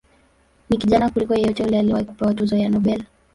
Ni kijana kuliko yeyote yule aliyewahi kupewa tuzo ya Nobel.